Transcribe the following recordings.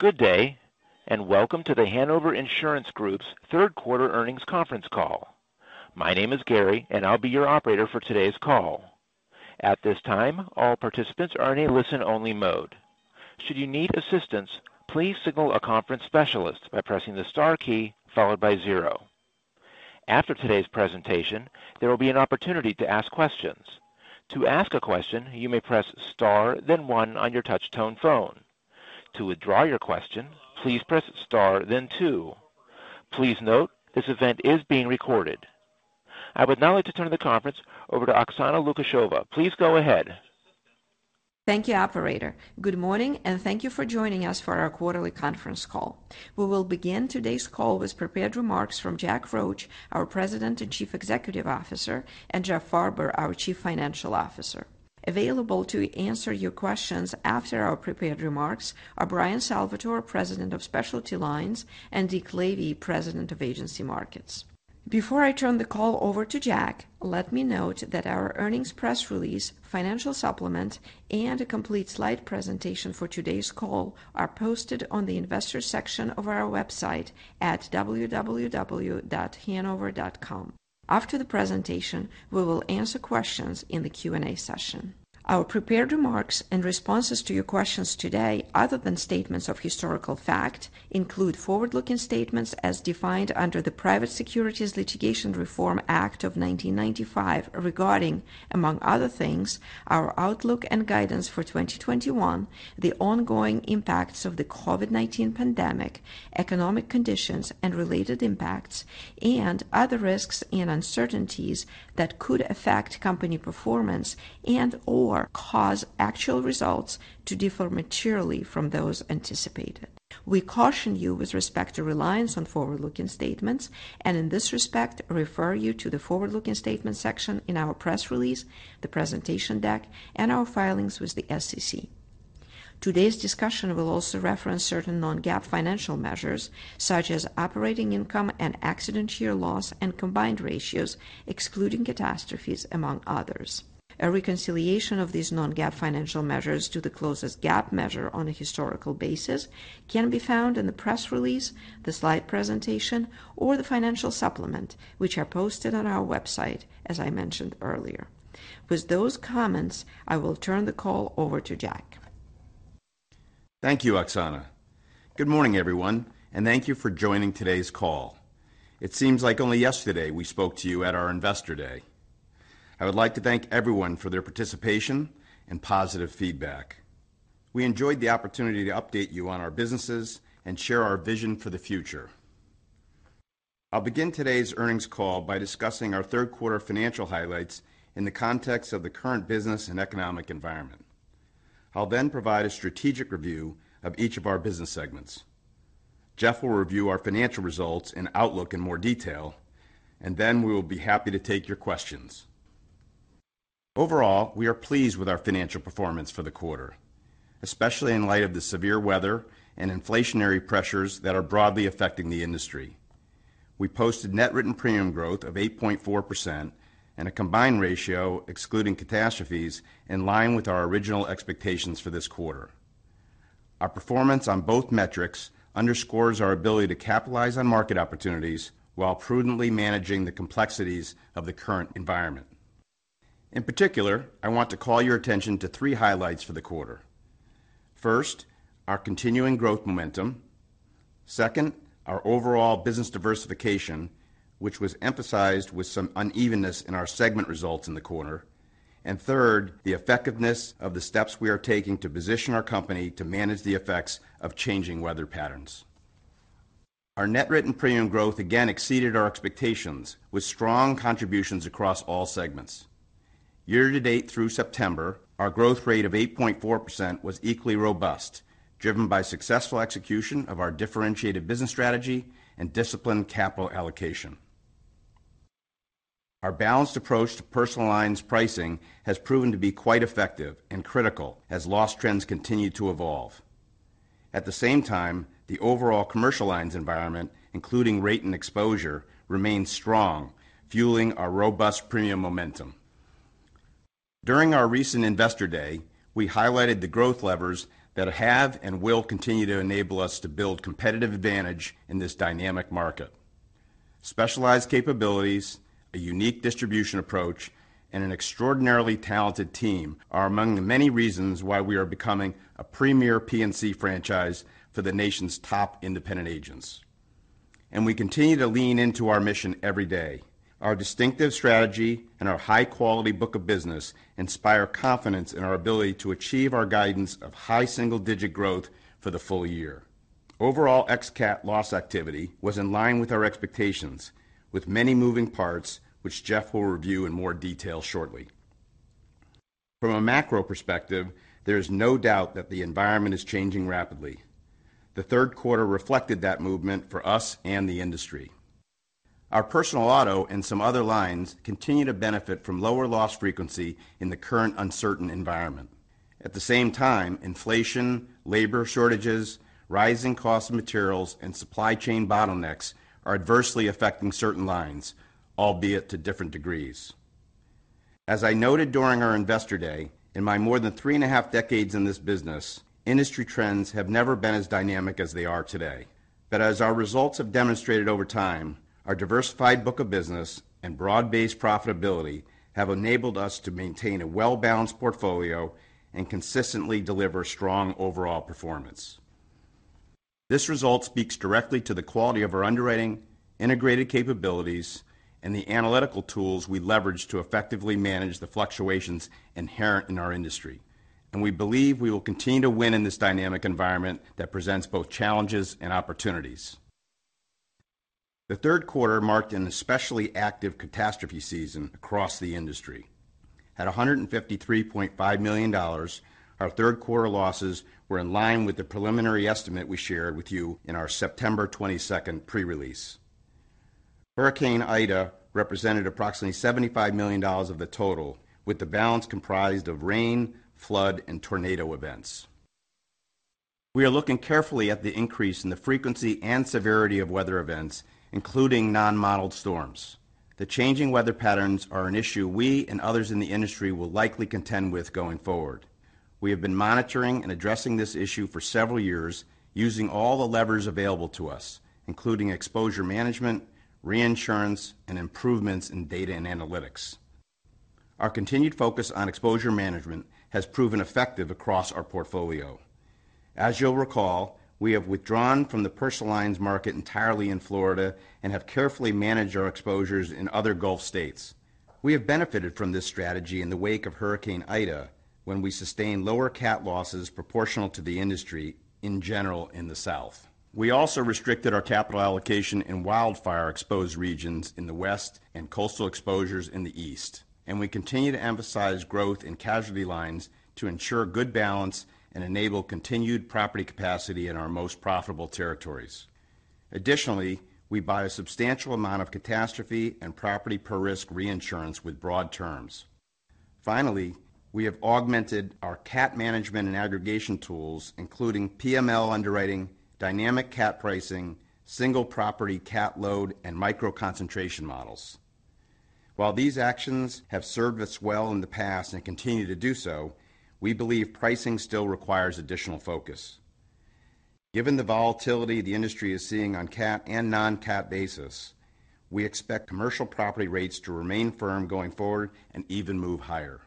Good day, and welcome to The Hanover Insurance Group's third quarter earnings conference call. My name is Gary, and I'll be your operator for today's call. At this time, all participants are in a listen-only mode. Should you need assistance, please signal a conference specialist by pressing the star key followed by zero. After today's presentation, there will be an opportunity to ask questions. To ask a question, you may press star then one on your touch tone phone. To withdraw your question, please press star then two. Please note, this event is being recorded. I would now like to turn the conference over to Oksana Lukasheva. Please go ahead. Thank you, operator. Good morning, and thank you for joining us for our quarterly conference call. We will begin today's call with prepared remarks from Jack Roche, our President and Chief Executive Officer, and Jeff Farber, our Chief Financial Officer. Available to answer your questions after our prepared remarks are Bryan Salvatore, President of Specialty Lines, and Dick Lavey, President of Agency Markets. Before I turn the call over to Jack, let me note that our earnings press release, financial supplement, and a complete slide presentation for today's call are posted on the investor section of our website at www.hanover.com. After the presentation, we will answer questions in the Q&A session. Our prepared remarks and responses to your questions today, other than statements of historical fact, include forward-looking statements as defined under the Private Securities Litigation Reform Act of 1995 regarding, among other things, our outlook and guidance for 2021, the ongoing impacts of the COVID-19 pandemic, economic conditions and related impacts, and other risks and uncertainties that could affect company performance and/or cause actual results to differ materially from those anticipated. We caution you with respect to reliance on forward-looking statements and in this respect, refer you to the forward-looking statement section in our press release, the presentation deck, and our filings with the SEC. Today's discussion will also reference certain non-GAAP financial measures, such as operating income and accident year loss and combined ratios, excluding catastrophes, among others. A reconciliation of these non-GAAP financial measures to the closest GAAP measure on a historical basis can be found in the press release, the slide presentation, or the financial supplement, which are posted on our website, as I mentioned earlier. With those comments, I will turn the call over to Jack. Thank you, Oksana. Good morning, everyone, and thank you for joining today's call. It seems like only yesterday we spoke to you at our Investor Day. I would like to thank everyone for their participation and positive feedback. We enjoyed the opportunity to update you on our businesses and share our vision for the future. I'll begin today's earnings call by discussing our third quarter financial highlights in the context of the current business and economic environment. I'll then provide a strategic review of each of our business segments. Jeff will review our financial results and outlook in more detail, and then we will be happy to take your questions. Overall, we are pleased with our financial performance for the quarter, especially in light of the severe weather and inflationary pressures that are broadly affecting the industry. We posted net written premium growth of 8.4% and a combined ratio excluding catastrophes in line with our original expectations for this quarter. Our performance on both metrics underscores our ability to capitalize on market opportunities while prudently managing the complexities of the current environment. In particular, I want to call your attention to three highlights for the quarter. First, our continuing growth momentum. Second, our overall business diversification, which was emphasized with some unevenness in our segment results in the quarter. Third, the effectiveness of the steps we are taking to position our company to manage the effects of changing weather patterns. Our net written premium growth again exceeded our expectations with strong contributions across all segments. Year to date through September, our growth rate of 8.4% was equally robust, driven by successful execution of our differentiated business strategy and disciplined capital allocation. Our balanced approach to personal lines pricing has proven to be quite effective and critical as loss trends continue to evolve. At the same time, the overall commercial lines environment, including rate and exposure, remains strong, fueling our robust premium momentum. During our recent Investor Day, we highlighted the growth levers that have and will continue to enable us to build competitive advantage in this dynamic market. Specialized capabilities, a unique distribution approach, and an extraordinarily talented team are among the many reasons why we are becoming a premier P&C franchise for the nation's top independent agents. We continue to lean into our mission every day. Our distinctive strategy and our high-quality book of business inspire confidence in our ability to achieve our guidance of high single-digit growth for the full year. Overall ex cat loss activity was in line with our expectations with many moving parts, which Jeff will review in more detail shortly. From a macro perspective, there is no doubt that the environment is changing rapidly. The third quarter reflected that movement for us and the industry. Our personal auto and some other lines continue to benefit from lower loss frequency in the current uncertain environment. At the same time, inflation, labor shortages, rising cost of materials, and supply chain bottlenecks are adversely affecting certain lines, albeit to different degrees. As I noted during our Investor Day, in my more than three and a half decades in this business, industry trends have never been as dynamic as they are today. As our results have demonstrated over time, our diversified book of business and broad-based profitability have enabled us to maintain a well-balanced portfolio and consistently deliver strong overall performance. This result speaks directly to the quality of our underwriting integrated capabilities and the analytical tools we leverage to effectively manage the fluctuations inherent in our industry. We believe we will continue to win in this dynamic environment that presents both challenges and opportunities. The third quarter marked an especially active catastrophe season across the industry. At $153.5 million, our third quarter losses were in line with the preliminary estimate we shared with you in our September 22 pre-release. Hurricane Ida represented approximately $75 million of the total, with the balance comprised of rain, flood, and tornado events. We are looking carefully at the increase in the frequency and severity of weather events, including non-modeled storms. The changing weather patterns are an issue we and others in the industry will likely contend with going forward. We have been monitoring and addressing this issue for several years, using all the levers available to us, including exposure management, reinsurance, and improvements in data and analytics. Our continued focus on exposure management has proven effective across our portfolio. As you'll recall, we have withdrawn from the personal lines market entirely in Florida and have carefully managed our exposures in other Gulf states. We have benefited from this strategy in the wake of Hurricane Ida, when we sustained lower cat losses proportional to the industry in general in the South. We also restricted our capital allocation in wildfire-exposed regions in the West and coastal exposures in the East. We continue to emphasize growth in casualty lines to ensure good balance and enable continued property capacity in our most profitable territories. Additionally, we buy a substantial amount of catastrophe and property per risk reinsurance with broad terms. Finally, we have augmented our cat management and aggregation tools, including PML underwriting, dynamic cat pricing, single property cat load, and micro concentration models. While these actions have served us well in the past and continue to do so, we believe pricing still requires additional focus. Given the volatility the industry is seeing on cat and non-cat basis, we expect commercial property rates to remain firm going forward and even move higher.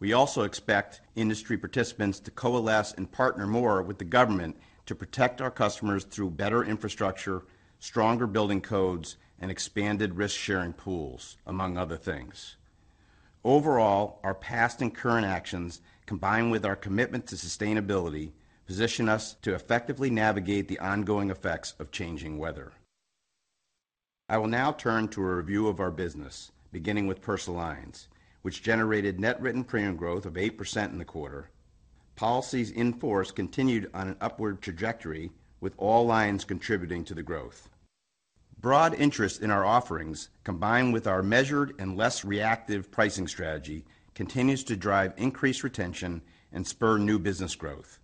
We also expect industry participants to coalesce and partner more with the government to protect our customers through better infrastructure, stronger building codes, and expanded risk-sharing pools, among other things. Overall, our past and current actions, combined with our commitment to sustainability, position us to effectively navigate the ongoing effects of changing weather. I will now turn to a review of our business, beginning with personal lines, which generated net written premium growth of 8% in the quarter. Policies in force continued on an upward trajectory, with all lines contributing to the growth. Broad interest in our offerings, combined with our measured and less reactive pricing strategy, continues to drive increased retention and spur new business growth.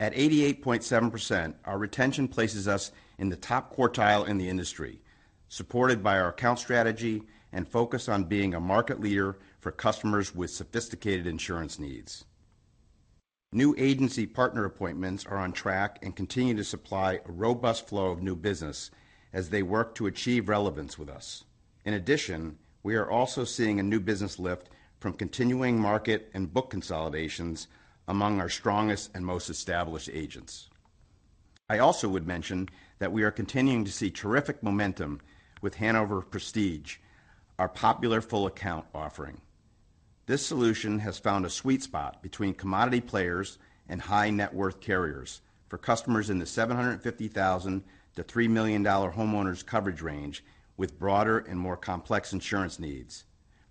At 88.7%, our retention places us in the top quartile in the industry, supported by our account strategy and focus on being a market leader for customers with sophisticated insurance needs. New agency partner appointments are on track and continue to supply a robust flow of new business as they work to achieve relevance with us. In addition, we are also seeing a new business lift from continuing market and book consolidations among our strongest and most established agents. I also would mention that we are continuing to see terrific momentum with Hanover Prestige, our popular full account offering. This solution has found a sweet spot between commodity players and high net worth carriers for customers in the $750,000 to $3 million homeowners coverage range with broader and more complex insurance needs,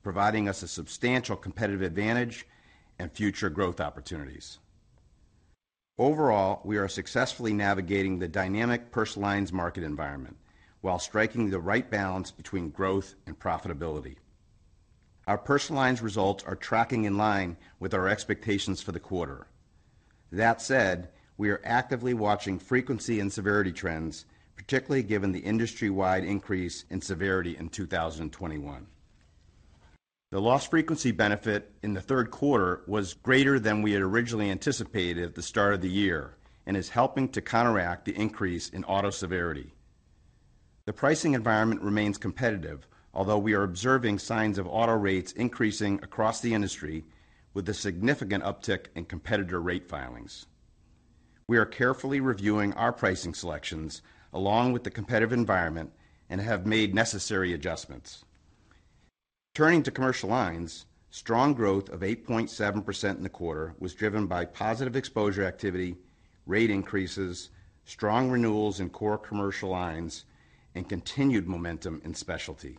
providing us a substantial competitive advantage and future growth opportunities. Overall, we are successfully navigating the dynamic personal lines market environment while striking the right balance between growth and profitability. Our personal lines results are tracking in line with our expectations for the quarter. That said, we are actively watching frequency and severity trends, particularly given the industry-wide increase in severity in 2021. The loss frequency benefit in the third quarter was greater than we had originally anticipated at the start of the year and is helping to counteract the increase in auto severity. The pricing environment remains competitive, although we are observing signs of auto rates increasing across the industry with a significant uptick in competitor rate filings. We are carefully reviewing our pricing selections along with the competitive environment and have made necessary adjustments. Turning to commercial lines, strong growth of 8.7% in the quarter was driven by positive exposure activity, rate increases, strong renewals in core commercial lines, and continued momentum in specialty.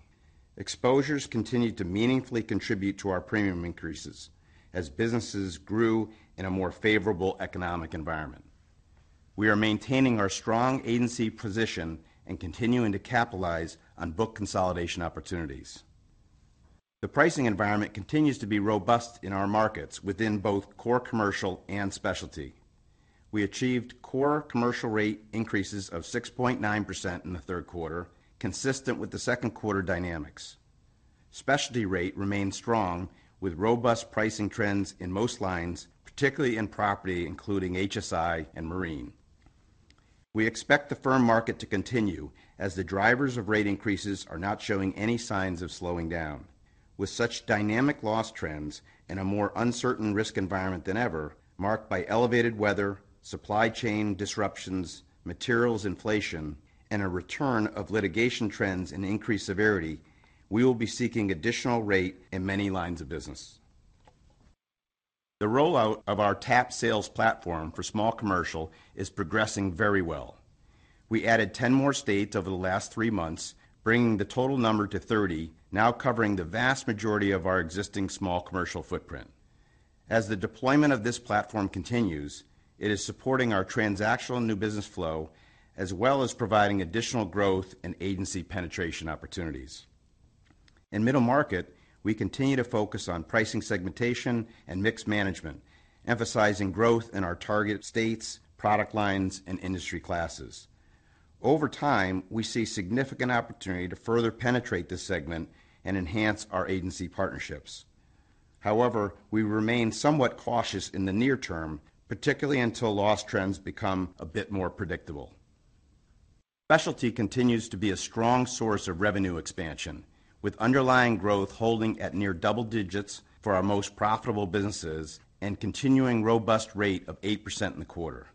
Exposures continued to meaningfully contribute to our premium increases as businesses grew in a more favorable economic environment. We are maintaining our strong agency position and continuing to capitalize on book consolidation opportunities. The pricing environment continues to be robust in our markets within both Core Commercial and Specialty. We achieved Core Commercial rate increases of 6.9% in the third quarter, consistent with the second quarter dynamics. Specialty rate remained strong with robust pricing trends in most lines, particularly in property including HSI and Marine. We expect the firm market to continue as the drivers of rate increases are not showing any signs of slowing down. With such dynamic loss trends and a more uncertain risk environment than ever, marked by elevated weather, supply chain disruptions, materials inflation, and a return of litigation trends and increased severity, we will be seeking additional rate in many lines of business. The rollout of our TAP Sales platform for small commercial is progressing very well. We added 10 more states over the last three months, bringing the total number to 30, now covering the vast majority of our existing small commercial footprint. As the deployment of this platform continues, it is supporting our transactional new business flow, as well as providing additional growth and agency penetration opportunities. In middle market, we continue to focus on pricing segmentation and mix management, emphasizing growth in our target states, product lines and industry classes. Over time, we see significant opportunity to further penetrate this segment and enhance our agency partnerships. However, we remain somewhat cautious in the near term, particularly until loss trends become a bit more predictable. Specialty continues to be a strong source of revenue expansion, with underlying growth holding at near double digits for our most profitable businesses and continuing robust rate of 8% in the quarter.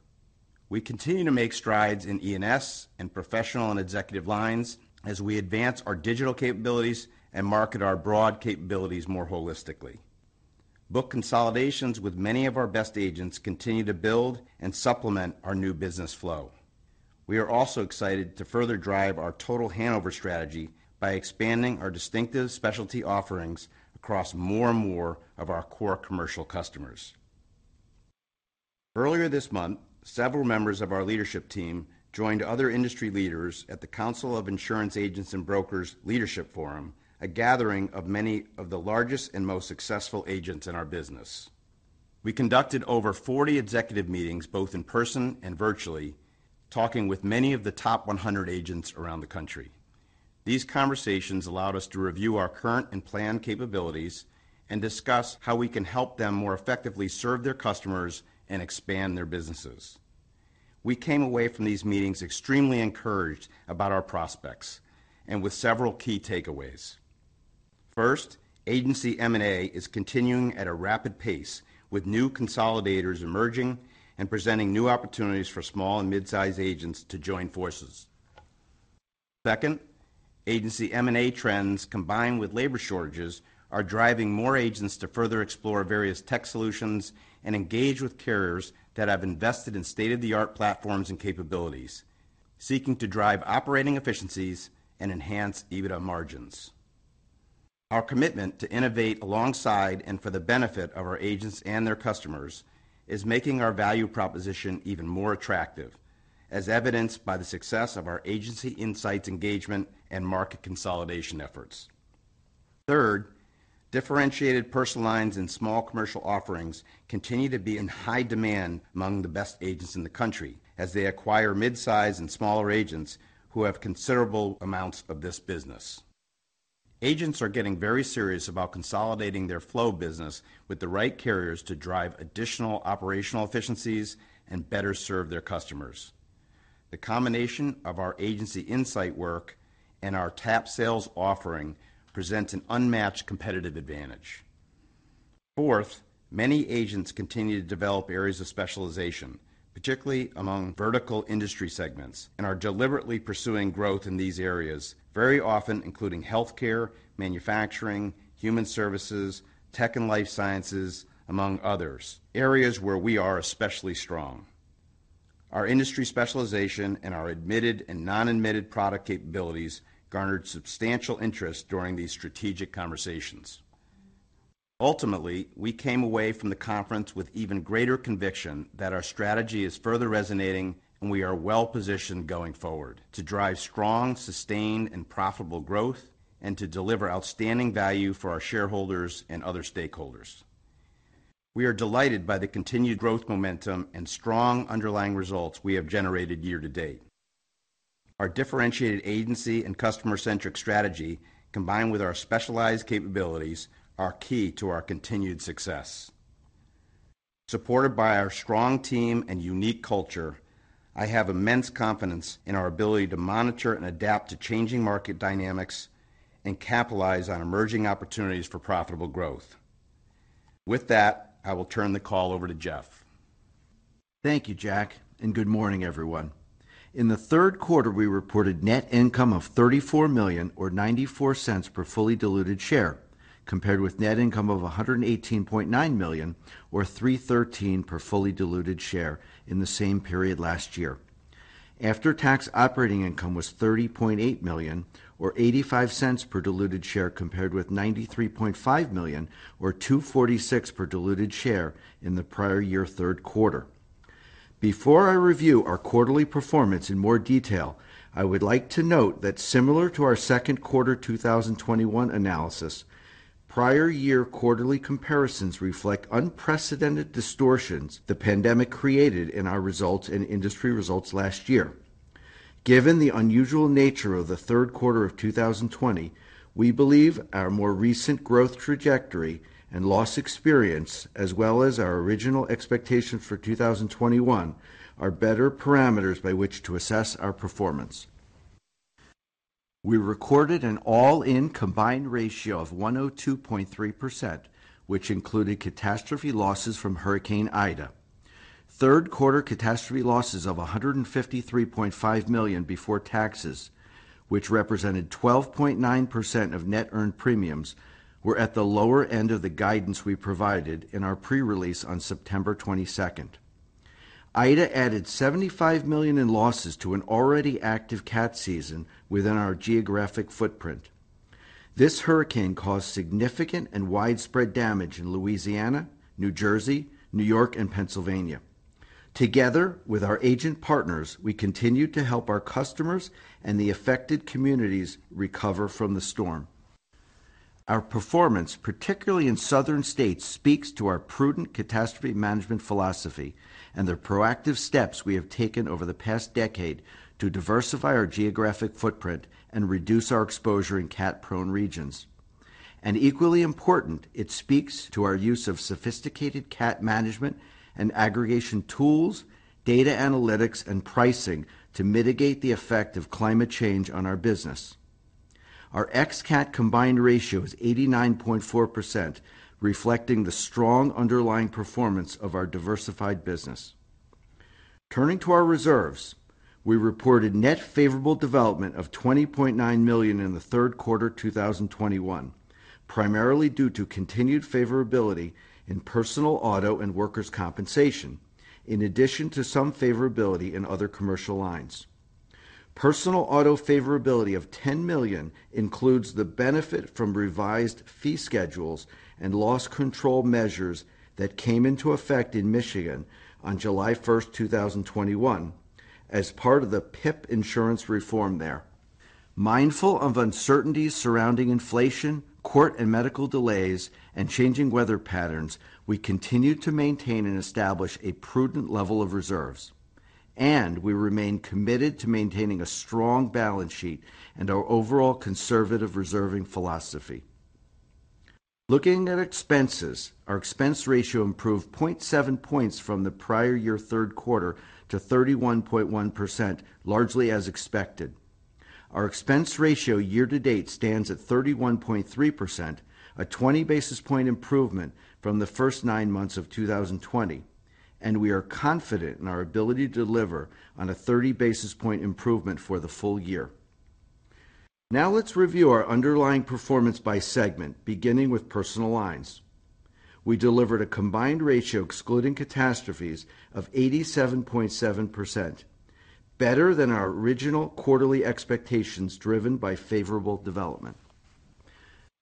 We continue to make strides in E&S and professional and executive lines as we advance our digital capabilities and market our broad capabilities more holistically. Book consolidations with many of our best agents continue to build and supplement our new business flow. We are also excited to further drive our total Hanover strategy by expanding our distinctive specialty offerings across more and more of our core commercial customers. Earlier this month, several members of our leadership team joined other industry leaders at The Council of Insurance Agents & Brokers Leadership Forum, a gathering of many of the largest and most successful agents in our business. We conducted over 40 executive meetings, both in person and virtually, talking with many of the top 100 agents around the country. These conversations allowed us to review our current and planned capabilities and discuss how we can help them more effectively serve their customers and expand their businesses. We came away from these meetings extremely encouraged about our prospects and with several key takeaways. First, agency M&A is continuing at a rapid pace, with new consolidators emerging and presenting new opportunities for small and mid-size agents to join forces. Second, agency M&A trends combined with labor shortages are driving more agents to further explore various tech solutions and engage with carriers that have invested in state-of-the-art platforms and capabilities, seeking to drive operating efficiencies and enhance EBITDA margins. Our commitment to innovate alongside and for the benefit of our agents and their customers is making our value proposition even more attractive, as evidenced by the success of our Agency Insight engagement and market consolidation efforts. Third, differentiated personal lines and small commercial offerings continue to be in high demand among the best agents in the country as they acquire mid-size and smaller agents who have considerable amounts of this business. Agents are getting very serious about consolidating their flow business with the right carriers to drive additional operational efficiencies and better serve their customers. The combination of our Agency Insight work and our TAP Sales offering presents an unmatched competitive advantage. Fourth, many agents continue to develop areas of specialization, particularly among vertical industry segments, and are deliberately pursuing growth in these areas, very often including healthcare, manufacturing, human services, tech and life sciences, among others, areas where we are especially strong. Our industry specialization and our admitted and non-admitted product capabilities garnered substantial interest during these strategic conversations. Ultimately, we came away from the conference with even greater conviction that our strategy is further resonating and we are well-positioned going forward to drive strong, sustained and profitable growth and to deliver outstanding value for our shareholders and other stakeholders. We are delighted by the continued growth momentum and strong underlying results we have generated year to date. Our differentiated agency and customer-centric strategy, combined with our specialized capabilities, are key to our continued success. Supported by our strong team and unique culture, I have immense confidence in our ability to monitor and adapt to changing market dynamics and capitalize on emerging opportunities for profitable growth. With that, I will turn the call over to Jeff. Thank you, Jack, and good morning, everyone. In the third quarter, we reported net income of $34 million or $0.94 per fully diluted share, compared with net income of $118.9 million or $3.13 per fully diluted share in the same period last year. After-tax operating income was $30.8 million or $0.85 per diluted share, compared with $93.5 million or $2.46 per diluted share in the prior-year third quarter. Before I review our quarterly performance in more detail, I would like to note that similar to our second quarter 2021 analysis. Prior-year quarterly comparisons reflect unprecedented distortions that the pandemic created in our results and industry results last year. Given the unusual nature of the third quarter of 2020, we believe our more recent growth trajectory and loss experience, as well as our original expectations for 2021, are better parameters by which to assess our performance. We recorded an all-in combined ratio of 102.3%, which included catastrophe losses from Hurricane Ida. Third quarter catastrophe losses of $153.5 million before taxes, which represented 12.9% of net earned premiums, were at the lower end of the guidance we provided in our pre-release on September 22. Ida added $75 million in losses to an already active cat season within our geographic footprint. This hurricane caused significant and widespread damage in Louisiana, New Jersey, New York, and Pennsylvania. Together with our agent partners, we continue to help our customers and the affected communities recover from the storm. Our performance, particularly in southern states, speaks to our prudent catastrophe management philosophy and the proactive steps we have taken over the past decade to diversify our geographic footprint and reduce our exposure in cat-prone regions. Equally important, it speaks to our use of sophisticated cat management and aggregation tools, data analytics, and pricing to mitigate the effect of climate change on our business. Our ex cat combined ratio is 89.4%, reflecting the strong underlying performance of our diversified business. Turning to our reserves, we reported net favorable development of $20.9 million in the third quarter 2021, primarily due to continued favorability in personal auto and workers' compensation, in addition to some favorability in other commercial lines. Personal auto favorability of $10 million includes the benefit from revised fee schedules and loss control measures that came into effect in Michigan on July 1st, 2021 as part of the PIP insurance reform there. Mindful of uncertainties surrounding inflation, court and medical delays, and changing weather patterns, we continue to maintain and establish a prudent level of reserves, and we remain committed to maintaining a strong balance sheet and our overall conservative reserving philosophy. Looking at expenses, our expense ratio improved 0.7 points from the prior-year third quarter to 31.1%, largely as expected. Our expense ratio year to date stands at 31.3%, a 20 basis point improvement from the first nine months of 2020, and we are confident in our ability to deliver on a 30 basis point improvement for the full year. Now let's review our underlying performance by segment, beginning with personal lines. We delivered a combined ratio excluding catastrophes of 87.7%, better than our original quarterly expectations driven by favorable development.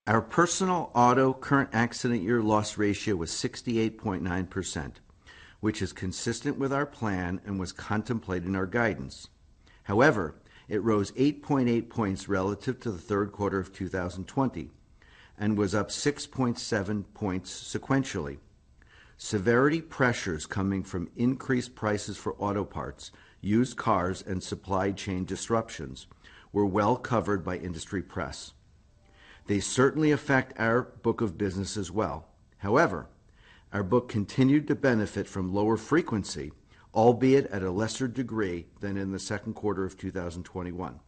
Our personal auto current accident year loss ratio was 68.9%, which is consistent with our plan and was contemplated in our guidance. However, it rose 8.8 points relative to the third quarter of 2020 and was up 6.7 points sequentially. Severity pressures coming from increased prices for auto parts, used cars, and supply chain disruptions were well covered by industry press. They certainly affect our book of business as well. However, our book continued to benefit from lower frequency, albeit at a lesser degree than in the second quarter of 2021.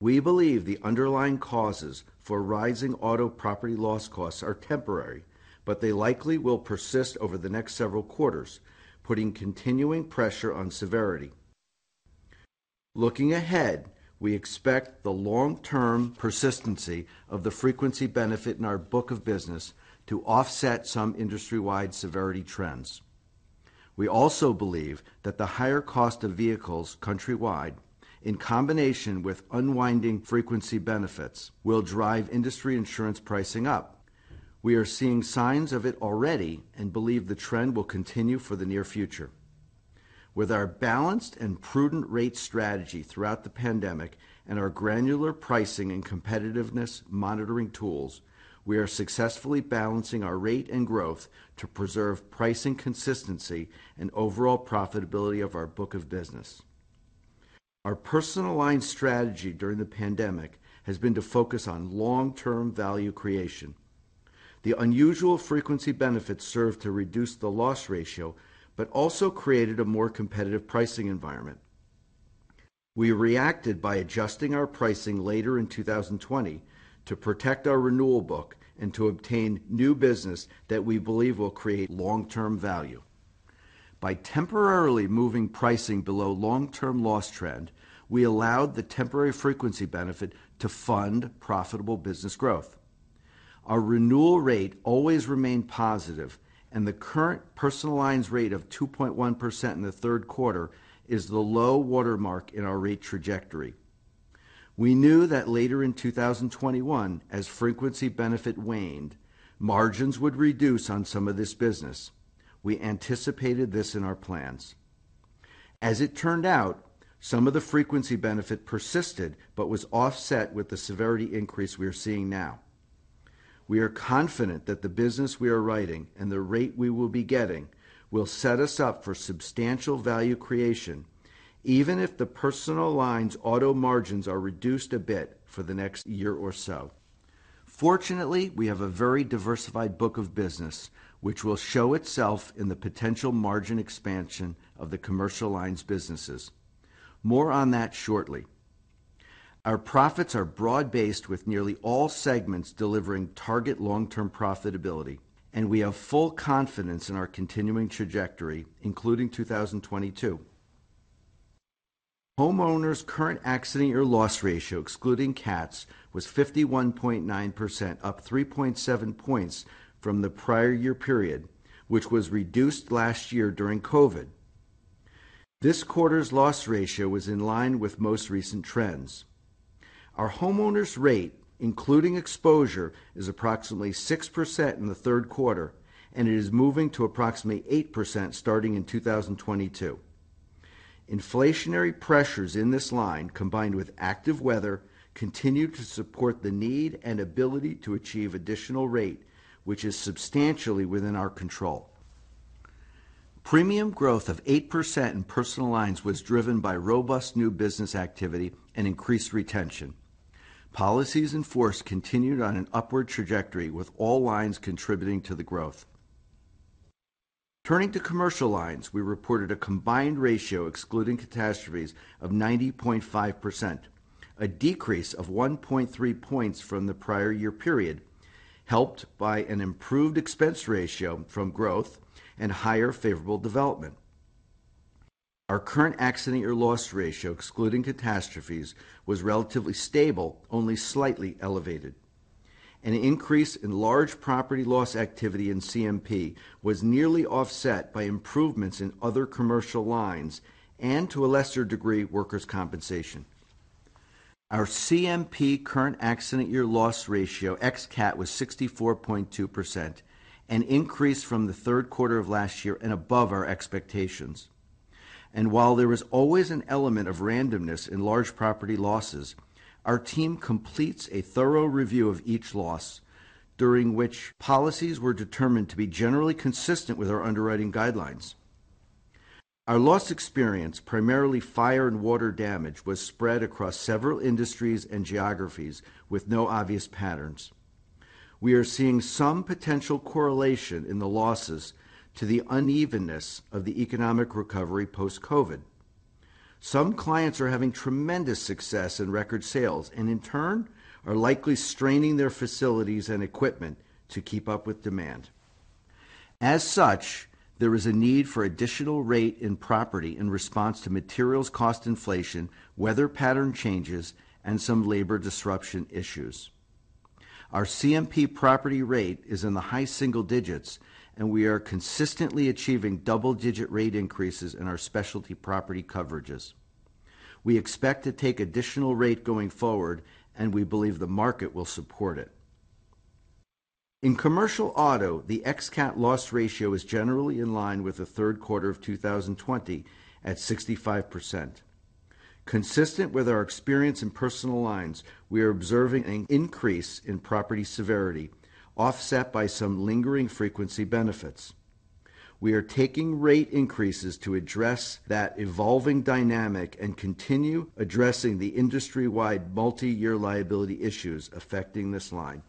We believe the underlying causes for rising auto property loss costs are temporary, but they likely will persist over the next several quarters, putting continuing pressure on severity. Looking ahead, we expect the long-term persistency of the frequency benefit in our book of business to offset some industry-wide severity trends. We also believe that the higher cost of vehicles countrywide, in combination with unwinding frequency benefits, will drive industry insurance pricing up. We are seeing signs of it already and believe the trend will continue for the near future. With our balanced and prudent rate strategy throughout the pandemic and our granular pricing and competitiveness monitoring tools, we are successfully balancing our rate and growth to preserve pricing consistency and overall profitability of our book of business. Our personal line strategy during the pandemic has been to focus on long-term value creation. The unusual frequency benefits served to reduce the loss ratio but also created a more competitive pricing environment. We reacted by adjusting our pricing later in 2020 to protect our renewal book and to obtain new business that we believe will create long-term value. By temporarily moving pricing below long-term loss trend, we allowed the temporary frequency benefit to fund profitable business growth. Our renewal rate always remained positive, and the current personal lines rate of 2.1% in the third quarter is the low watermark in our rate trajectory. We knew that later in 2021, as frequency benefit waned, margins would reduce on some of this business. We anticipated this in our plans. As it turned out, some of the frequency benefit persisted but was offset with the severity increase we are seeing now. We are confident that the business we are writing and the rate we will be getting will set us up for substantial value creation, even if the personal lines auto margins are reduced a bit for the next year or so. Fortunately, we have a very diversified book of business, which will show itself in the potential margin expansion of the commercial lines businesses. More on that shortly. Our profits are broad-based with nearly all segments delivering target long-term profitability, and we have full confidence in our continuing trajectory, including 2022. Homeowners current accident year loss ratio, excluding cats, was 51.9%, up 3.7 points from the prior year period, which was reduced last year during COVID. This quarter's loss ratio was in line with most recent trends. Our homeowners rate, including exposure, is approximately 6% in the third quarter, and it is moving to approximately 8% starting in 2022. Inflationary pressures in this line, combined with active weather, continue to support the need and ability to achieve additional rate, which is substantially within our control. Premium growth of 8% in personal lines was driven by robust new business activity and increased retention. Policies in force continued on an upward trajectory with all lines contributing to the growth. Turning to commercial lines, we reported a combined ratio excluding catastrophes of 90.5%, a decrease of 1.3 points from the prior year period, helped by an improved expense ratio from growth and higher favorable development. Our current accident year loss ratio, excluding catastrophes, was relatively stable, only slightly elevated. An increase in large property loss activity in CMP was nearly offset by improvements in other commercial lines and to a lesser degree, workers' compensation. Our CMP current accident year loss ratio, ex cat, was 64.2%, an increase from the third quarter of last year and above our expectations. While there is always an element of randomness in large property losses, our team completes a thorough review of each loss during which policies were determined to be generally consistent with our underwriting guidelines. Our loss experience, primarily fire and water damage, was spread across several industries and geographies with no obvious patterns. We are seeing some potential correlation in the losses to the unevenness of the economic recovery post-COVID. Some clients are having tremendous success in record sales and in turn are likely straining their facilities and equipment to keep up with demand. As such, there is a need for additional rate in property in response to materials cost inflation, weather pattern changes, and some labor disruption issues. Our CMP property rate is in the high single digits, and we are consistently achieving double-digit rate increases in our specialty property coverages. We expect to take additional rate going forward, and we believe the market will support it. In commercial auto, the ex cat loss ratio is generally in line with the third quarter of 2020 at 65%. Consistent with our experience in personal lines, we are observing an increase in property severity offset by some lingering frequency benefits. We are taking rate increases to address that evolving dynamic and continue addressing the industry-wide multi-year liability issues affecting this line.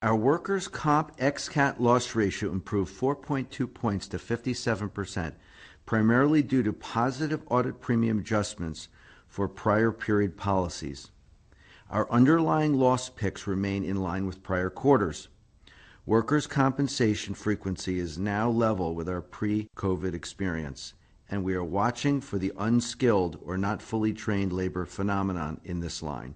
Our workers' comp ex cat loss ratio improved 4.2 points to 57%, primarily due to positive audit premium adjustments for prior period policies. Our underlying loss picks remain in line with prior quarters. Workers' compensation frequency is now level with our pre-COVID experience, and we are watching for the unskilled or not fully trained labor phenomenon in this line.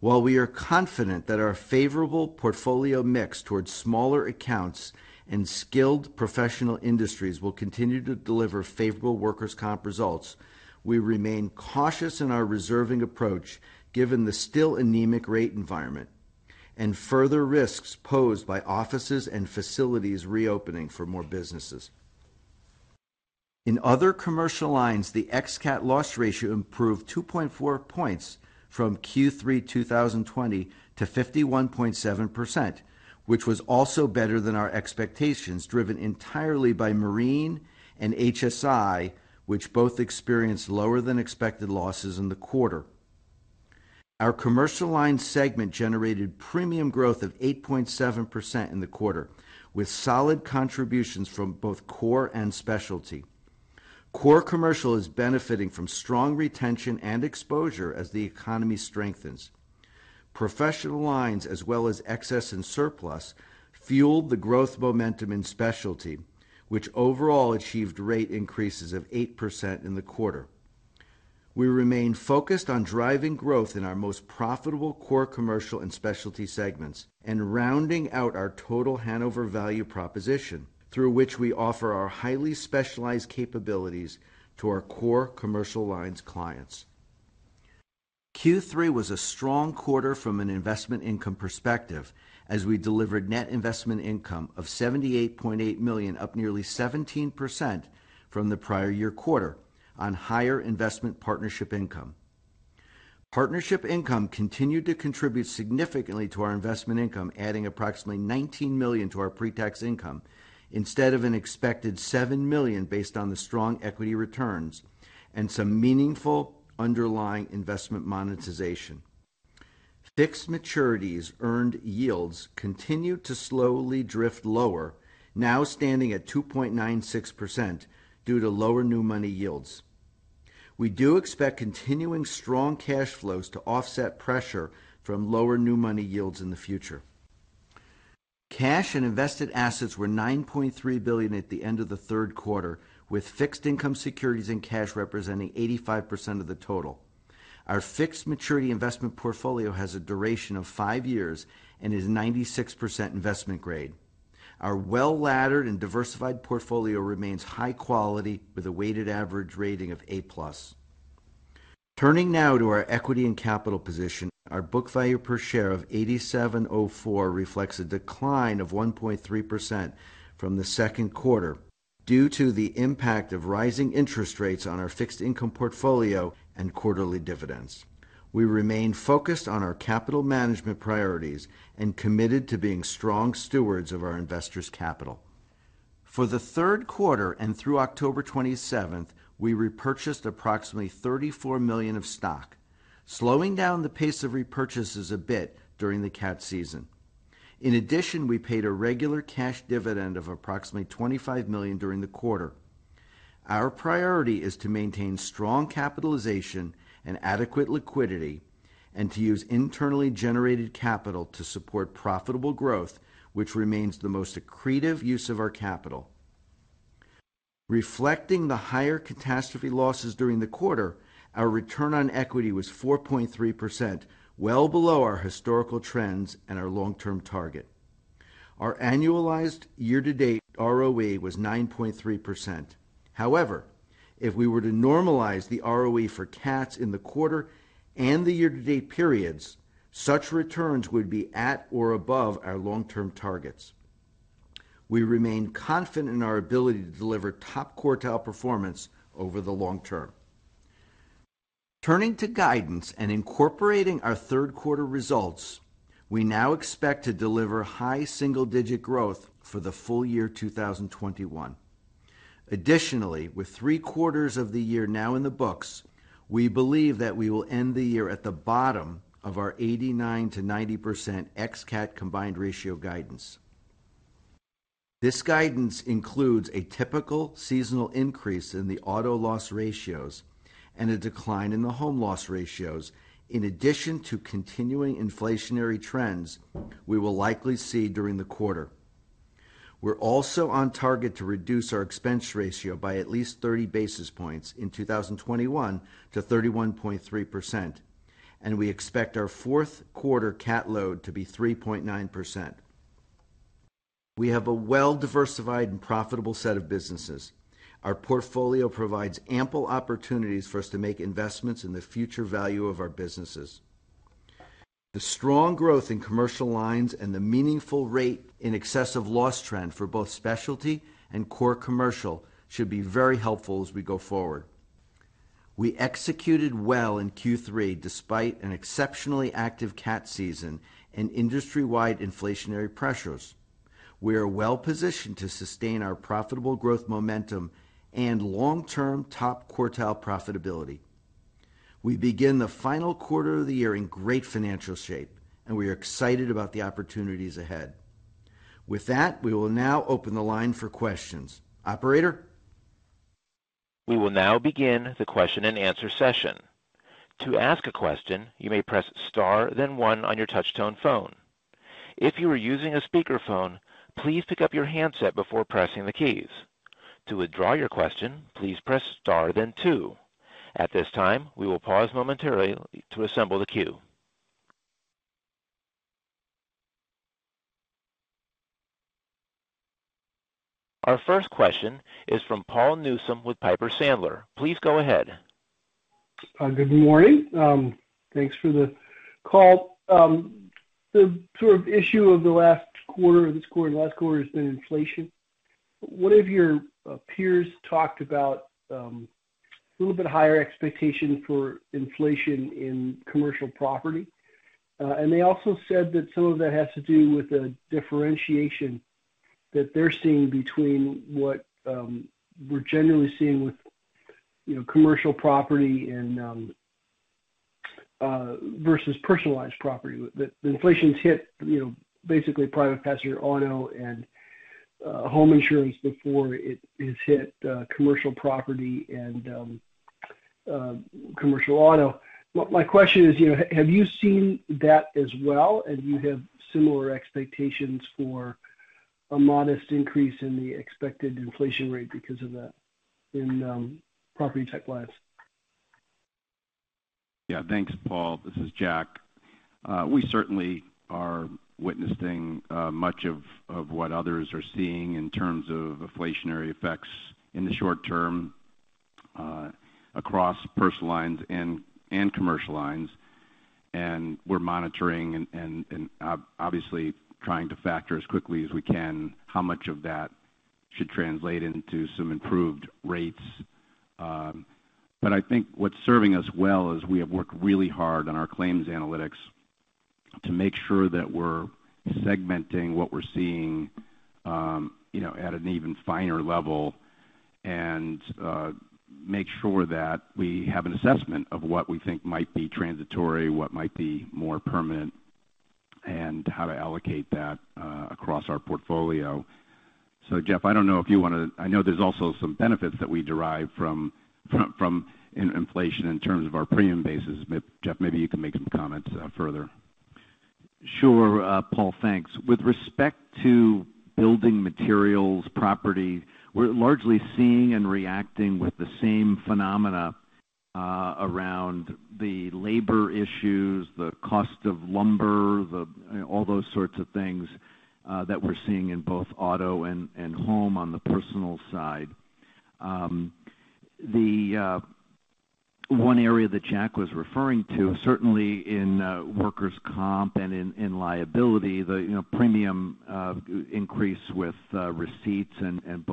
While we are confident that our favorable portfolio mix towards smaller accounts and skilled professional industries will continue to deliver favorable workers' comp results, we remain cautious in our reserving approach given the still anemic rate environment and further risks posed by offices and facilities reopening for more businesses. In other commercial lines, the ex cat loss ratio improved 2.4 points from Q3 2020 to 51.7%, which was also better than our expectations, driven entirely by Marine and HSI, which both experienced lower than expected losses in the quarter. Our commercial line segment generated premium growth of 8.7% in the quarter, with solid contributions from both core and specialty. Core commercial is benefiting from strong retention and exposure as the economy strengthens. Professional lines as well as excess and surplus fueled the growth momentum in specialty, which overall achieved rate increases of 8% in the quarter. We remain focused on driving growth in our most profitable core commercial and specialty segments and rounding out our total Hanover value proposition through which we offer our highly specialized capabilities to our core commercial lines clients. Q3 was a strong quarter from an investment income perspective as we delivered net investment income of $78.8 million, up nearly 17% from the prior year quarter on higher investment partnership income. Partnership income continued to contribute significantly to our investment income, adding approximately $19 million to our pre-tax income instead of an expected $7 million based on the strong equity returns and some meaningful underlying investment monetization. Fixed maturities earned yields continued to slowly drift lower, now standing at 2.96% due to lower new money yields. We do expect continuing strong cash flows to offset pressure from lower new money yields in the future. Cash and invested assets were $9.3 billion at the end of the third quarter, with fixed income securities and cash representing 85% of the total. Our fixed maturity investment portfolio has a duration of five years and is 96% investment grade. Our well-laddered and diversified portfolio remains high quality with a weighted average rating of A+. Turning now to our equity and capital position. Our book value per share of $87.04 reflects a decline of 1.3% from the second quarter due to the impact of rising interest rates on our fixed income portfolio and quarterly dividends. We remain focused on our capital management priorities and committed to being strong stewards of our investors' capital. For the third quarter and through October 27, we repurchased approximately 34 million of stock, slowing down the pace of repurchases a bit during the cat season. In addition, we paid a regular cash dividend of approximately $25 million during the quarter. Our priority is to maintain strong capitalization and adequate liquidity and to use internally generated capital to support profitable growth, which remains the most accretive use of our capital. Reflecting the higher catastrophe losses during the quarter, our return on equity was 4.3%, well below our historical trends and our long-term target. Our annualized year-to-date ROE was 9.3%. However, if we were to normalize the ROE for cats in the quarter and the year-to-date periods, such returns would be at or above our long-term targets. We remain confident in our ability to deliver top-quartile performance over the long term. Turning to guidance and incorporating our third quarter results, we now expect to deliver high single-digit growth for the full year 2021. Additionally, with three-quarters of the year now in the books, we believe that we will end the year at the bottom of our 89%-90% ex-cat combined ratio guidance. This guidance includes a typical seasonal increase in the auto loss ratios and a decline in the home loss ratios in addition to continuing inflationary trends we will likely see during the quarter. We're also on target to reduce our expense ratio by at least 30 basis points in 2021 to 31.3%, and we expect our fourth quarter cat load to be 3.9%. We have a well-diversified and profitable set of businesses. Our portfolio provides ample opportunities for us to make investments in the future value of our businesses. The strong growth in commercial lines and the meaningful rate in excessive loss trend for both specialty and core commercial should be very helpful as we go forward. We executed well in Q3 despite an exceptionally active cat season and industry-wide inflationary pressures. We are well positioned to sustain our profitable growth momentum and long-term top-quartile profitability. We begin the final quarter of the year in great financial shape, and we are excited about the opportunities ahead. With that, we will now open the line for questions. Operator. We will now begin the question-and-answer session. To ask a question, you may press star, then one on your touchtone phone. If you are using a speakerphone, please pick up your handset before pressing the keys. To withdraw your question, please press star then two. At this time, we will pause momentarily to assemble the queue. Our first question is from Paul Newsome with Piper Sandler. Please go ahead. Good morning. Thanks for the call. The sort of issue of the last quarter, this quarter and last quarter has been inflation. One of your peers talked about a little bit higher expectation for inflation in commercial property. They also said that some of that has to do with the differentiation that they're seeing between what we're generally seeing with, you know, commercial property and versus personal lines property. The inflation's hit, you know, basically private passenger auto and home insurance before it has hit commercial property and commercial auto. My question is, you know, have you seen that as well and you have similar expectations for a modest increase in the expected inflation rate because of that in property type lines? Yeah. Thanks, Paul. This is Jack. We certainly are witnessing much of what others are seeing in terms of inflationary effects in the short term across personal lines and commercial lines. We're monitoring and obviously trying to factor as quickly as we can how much of that should translate into some improved rates. I think what's serving us well is we have worked really hard on our claims analytics to make sure that we're segmenting what we're seeing you know at an even finer level and make sure that we have an assessment of what we think might be transitory what might be more permanent and how to allocate that across our portfolio. Jeff I don't know if you want to. I know there's also some benefits that we derive from inflation in terms of our premium basis. Jeff, maybe you can make some comments further. Sure. Paul, thanks. With respect to building materials, property, we're largely seeing and reacting with the same phenomena around the labor issues, the cost of lumber, the all those sorts of things that we're seeing in both auto and home on the personal side. One area that Jack was referring to, certainly in workers' comp and in liability, you know, premium increase with receipts and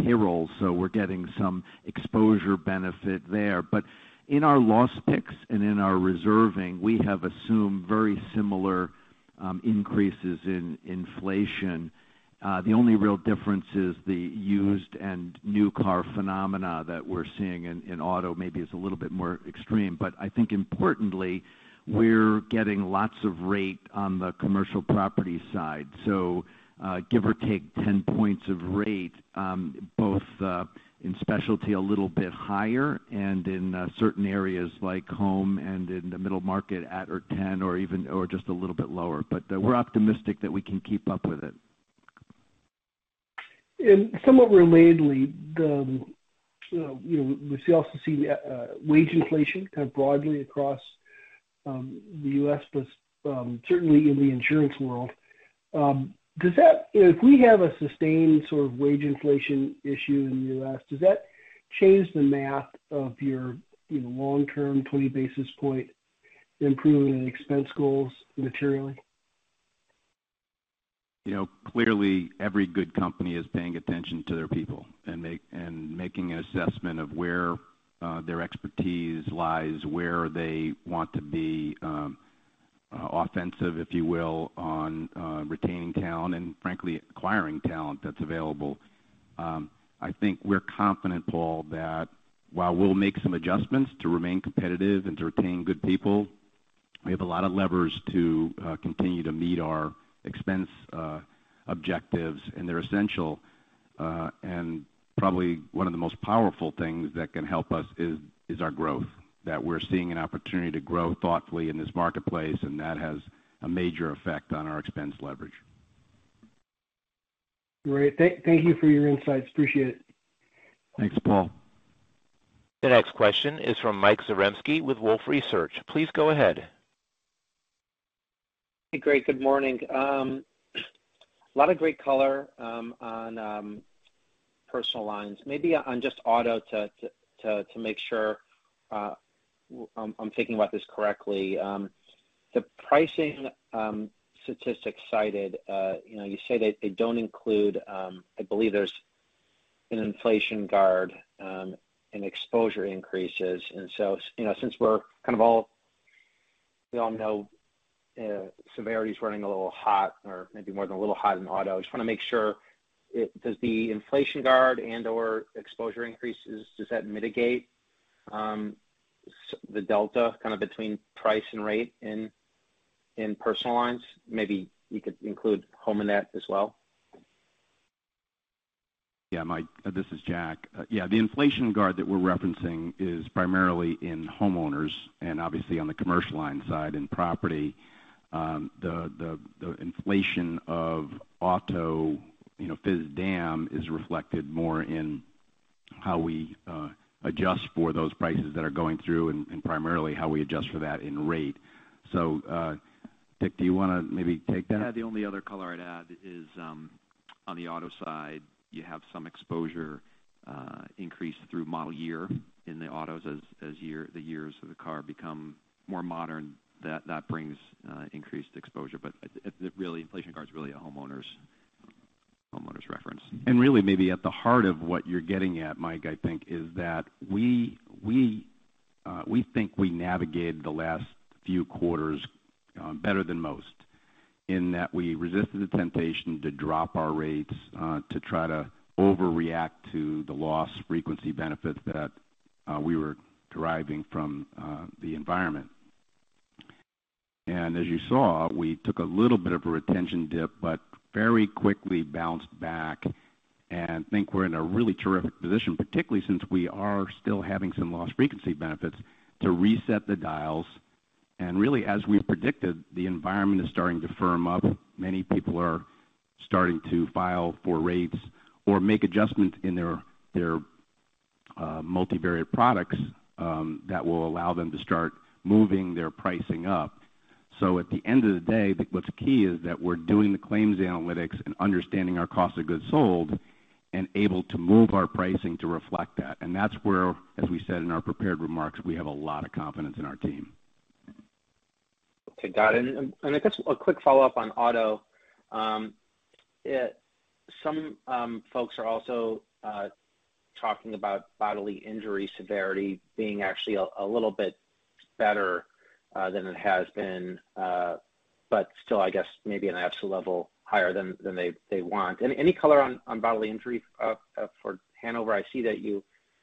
payroll. We're getting some exposure benefit there. In our loss picks and in our reserving, we have assumed very similar increases in inflation. The only real difference is the used and new car phenomena that we're seeing in auto maybe is a little bit more extreme. I think importantly, we're getting lots of rate on the commercial property side. Give or take 10 points of rate, both in specialty a little bit higher and in certain areas like home and in the middle market at or 10 or even just a little bit lower. We're optimistic that we can keep up with it. Somewhat relatedly, you know, we also see wage inflation kind of broadly across the U.S., but certainly in the insurance world. If we have a sustained sort of wage inflation issue in the U.S., does that change the math of your, you know, long-term 20 basis point improving and expense goals materially? You know, clearly every good company is paying attention to their people and making an assessment of where their expertise lies, where they want to be offensive, if you will, on retaining talent and frankly, acquiring talent that's available. I think we're confident, Paul, that while we'll make some adjustments to remain competitive and to retain good people, we have a lot of levers to continue to meet our expense objectives. They're essential and probably one of the most powerful things that can help us is our growth. We're seeing an opportunity to grow thoughtfully in this marketplace, and that has a major effect on our expense leverage. Great. Thank you for your insights. Appreciate it. Thanks, Paul. The next question is from Mike Zaremski with Wolfe Research. Please go ahead. Great. Good morning. Lot of great color on personal lines. Maybe on just auto to make sure I'm thinking about this correctly. The pricing statistics cited, you know, you say that they don't include, I believe there's an inflation guard and exposure increases. You know, since we all know severity is running a little hot or maybe more than a little hot in auto, just wanna make sure does the inflation guard and/or exposure increases does that mitigate the delta kind of between price and rate in personal lines? Maybe you could include home in that as well. Yeah, Mike, this is Jack. Yeah, the inflation guard that we're referencing is primarily in homeowners and obviously on the commercial line side in property. The inflation of auto, you know, physical damage is reflected more in how we adjust for those prices that are going through and primarily how we adjust for that in rate. Dick, do you wanna maybe take that? The only other color I'd add is on the auto side, you have some exposure increase through model year in the autos as the years of the car become more modern that brings increased exposure. The real inflation guard is really a homeowners reference. Really maybe at the heart of what you're getting at, Mike, I think is that we think we navigated the last few quarters better than most in that we resisted the temptation to drop our rates to try to overreact to the loss frequency benefits that we were deriving from the environment. As you saw, we took a little bit of a retention dip, but very quickly bounced back and think we're in a really terrific position, particularly since we are still having some loss frequency benefits to reset the dials. Really, as we predicted, the environment is starting to firm up. Many people are starting to file for rates or make adjustments in their multivariate products that will allow them to start moving their pricing up. At the end of the day, what's key is that we're doing the claims analytics and understanding our cost of goods sold and able to move our pricing to reflect that. That's where, as we said in our prepared remarks, we have a lot of confidence in our team. Okay. Got it. I guess a quick follow-up on auto. Some folks are also talking about bodily injury severity being actually a little bit better than it has been, but still, I guess, maybe an absolute level higher than they want. Any color on bodily injury for Hanover? I see that you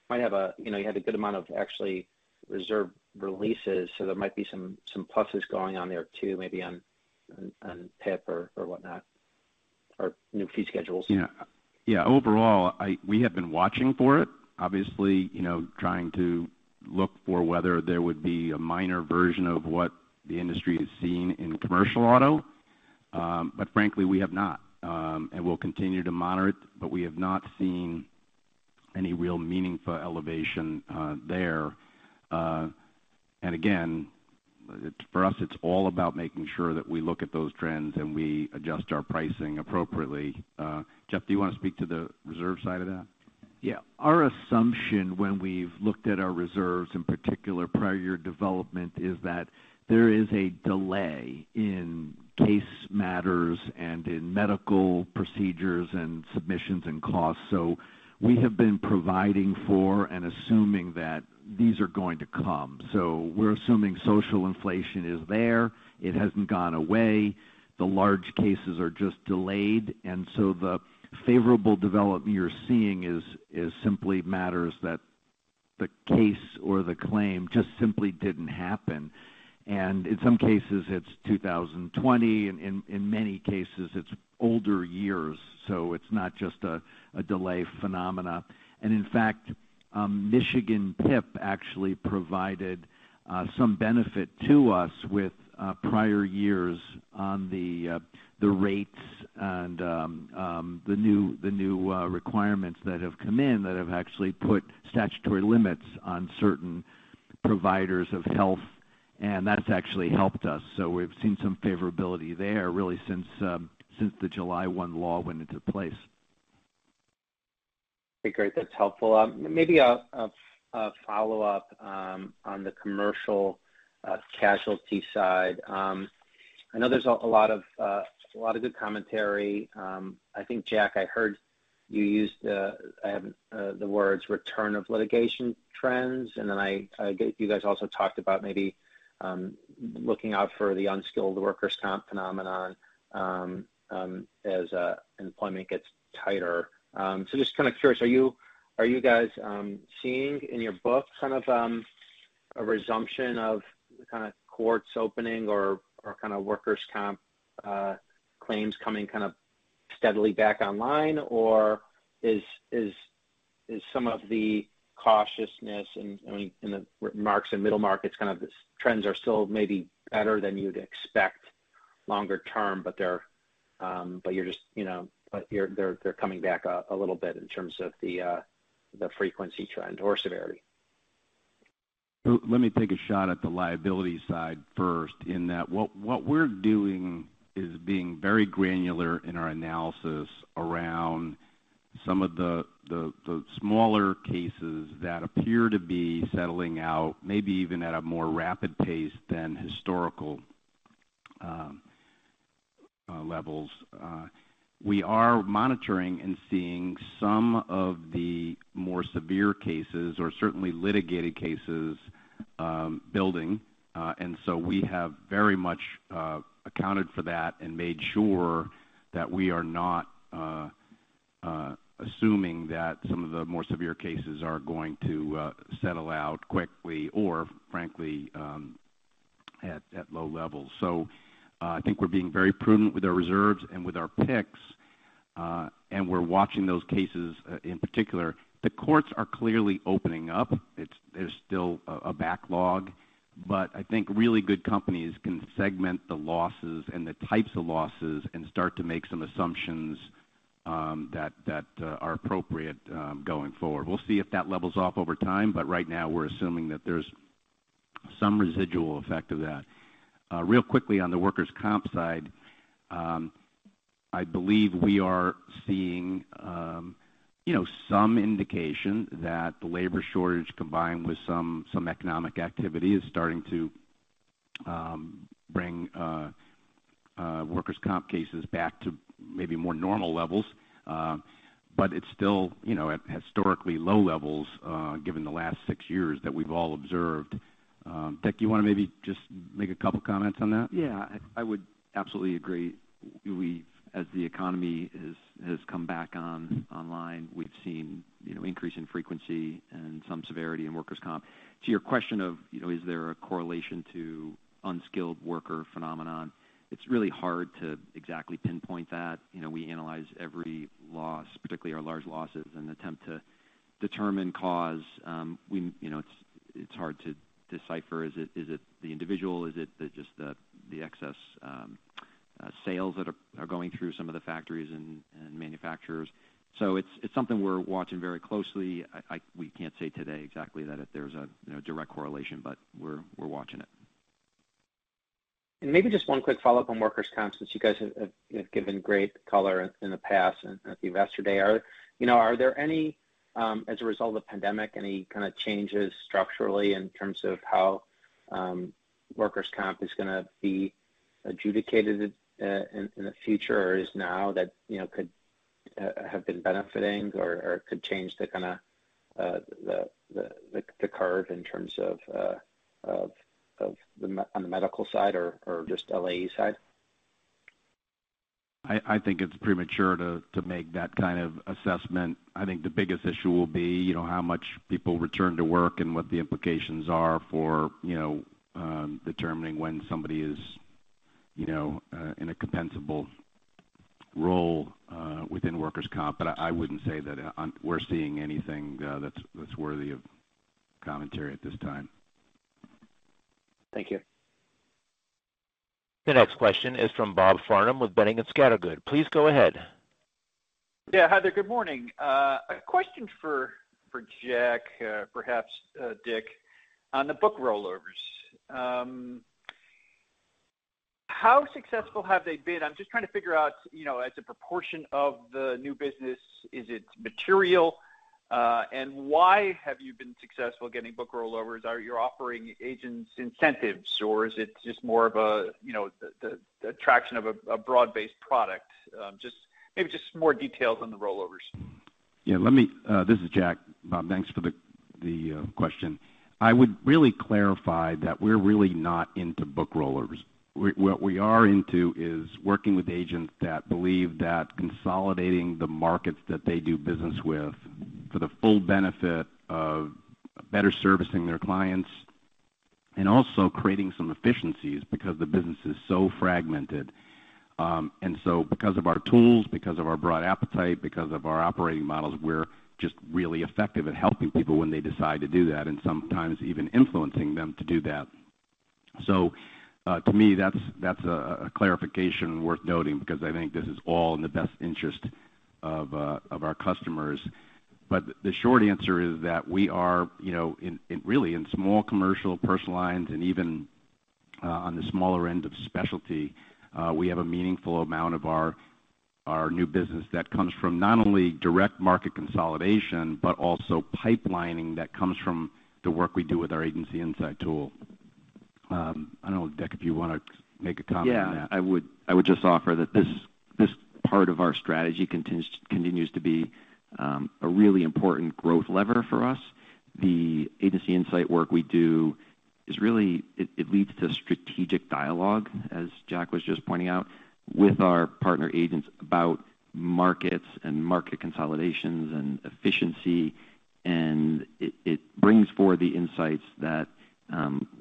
know, you had a good amount of actual reserve releases, so there might be some pluses going on there too, maybe on PIP or whatnot, or new fee schedules. Overall, we have been watching for it, obviously, you know, trying to look for whether there would be a minor version of what the industry has seen in commercial auto. Frankly, we have not. We'll continue to monitor it, but we have not seen any real meaningful elevation there. Again, for us, it's all about making sure that we look at those trends, and we adjust our pricing appropriately. Jeff, do you want to speak to the reserve side of that? Yeah. Our assumption when we've looked at our reserves, in particular prior year development, is that there is a delay in case matters and in medical procedures and submissions and costs. We have been providing for and assuming that these are going to come. We're assuming social inflation is there. It hasn't gone away. The large cases are just delayed. The favorable development you're seeing is simply matters that the case or the claim just simply didn't happen. In some cases, it's 2020. In many cases, it's older years, so it's not just a delay phenomenon. In fact, Michigan PIP actually provided some benefit to us with prior years on the rates and the new requirements that have come in that have actually put statutory limits on certain providers of health. That's actually helped us. We've seen some favorability there really since the July 1 law went into place. Okay, great. That's helpful. Maybe a follow-up on the commercial casualty side. I know there's a lot of good commentary. I think, Jack, I heard you use the words return of litigation trends, and then I get you guys also talked about maybe looking out for the unskilled workers' comp phenomenon as employment gets tighter. Just kind of curious, are you guys seeing in your book kind of a resumption of the kind of courts opening or kind of workers' comp claims coming kind of steadily back online? Is some of the cautiousness in, I mean, in the small and middle markets kind of the trends are still maybe better than you'd expect longer term, but they're coming back a little bit in terms of the frequency trend or severity? Let me take a shot at the liability side first in that what we're doing is being very granular in our analysis around some of the smaller cases that appear to be settling out maybe even at a more rapid pace than historical levels. We are monitoring and seeing some of the more severe cases or certainly litigated cases building. We have very much accounted for that and made sure that we are not assuming that some of the more severe cases are going to settle out quickly or frankly at low levels. I think we're being very prudent with our reserves and with our picks, and we're watching those cases in particular. The courts are clearly opening up. There's still a backlog, but I think really good companies can segment the losses and the types of losses and start to make some assumptions that are appropriate going forward. We'll see if that levels off over time, but right now we're assuming that there's some residual effect of that. Real quickly on the workers' comp side, I believe we are seeing you know some indication that the labor shortage combined with some economic activity is starting to bring workers' comp cases back to maybe more normal levels. It's still you know at historically low levels given the last six years that we've all observed. Dick, you wanna maybe just make a couple comments on that? Yeah. I would absolutely agree. As the economy has come back online, we've seen, you know, increase in frequency and some severity in workers' comp. To your question of, you know, is there a correlation to unskilled worker phenomenon, it's really hard to exactly pinpoint that. You know, we analyze every loss, particularly our large losses, and attempt to determine cause. You know, it's hard to decipher. Is it the individual? Is it just the excess, Sales that are going through some of the factories and manufacturers. It's something we're watching very closely. We can't say today exactly that if there's a, you know, direct correlation, but we're watching it. Maybe just one quick follow-up on workers' comp, since you guys have given great color in the past at the investor day. You know, are there any as a result of the pandemic, any kind of changes structurally in terms of how workers' comp is gonna be adjudicated in the future or is now that you know, could have been benefiting or could change the kinda the curve in terms of the medical side or just LAE side? I think it's premature to make that kind of assessment. I think the biggest issue will be, you know, how much people return to work and what the implications are for, you know, determining when somebody is, you know, in a compensable role within workers' comp. I wouldn't say that we're seeing anything that's worthy of commentary at this time. Thank you. The next question is from Bob Farnam with Boenning & Scattergood. Please go ahead. Yeah. Hi there. Good morning. A question for Jack, perhaps Dick, on the book rollovers. How successful have they been? I'm just trying to figure out, you know, as a proportion of the new business, is it material? Why have you been successful getting book rollovers? Are you offering agents incentives or is it just more of a, you know, the attraction of a broad-based product? Just maybe more details on the rollovers. Yeah. Let me, this is Jack. Bob, thanks for the question. I would really clarify that we're really not into book rollovers. What we are into is working with agents that believe that consolidating the markets that they do business with for the full benefit of better servicing their clients and also creating some efficiencies because the business is so fragmented. Because of our tools, because of our broad appetite, because of our operating models, we're just really effective at helping people when they decide to do that, and sometimes even influencing them to do that. To me, that's a clarification worth noting because I think this is all in the best interest of our customers. The short answer is that we are, you know, in really in small commercial personal lines and even on the smaller end of specialty, we have a meaningful amount of our new business that comes from not only direct market consolidation, but also pipelining that comes from the work we do with our Agency Insight tool. I don't know, Dick, if you wanna make a comment on that. Yeah. I would just offer that this part of our strategy continues to be a really important growth lever for us. The Agency Insight work we do really leads to strategic dialogue, as Jack was just pointing out, with our partner agents about markets and market consolidations and efficiency. It brings forward the insights that